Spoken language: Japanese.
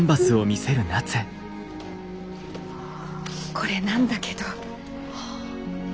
これなんだけど。